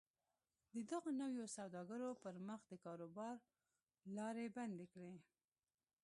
د دغو نویو سوداګرو پر مخ د کاروبار لارې بندې کړي